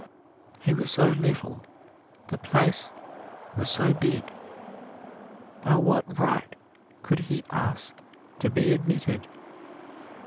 He was so little the place was so big by what right could he ask to be admitted?